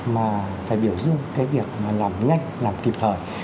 mà phải biểu dung cái việc làm nhanh làm kịp thời